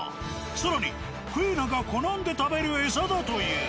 更にクイナが好んで食べる餌だという。